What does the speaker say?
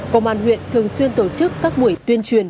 công an huyện thường xuyên tổ chức các buổi tuyên truyền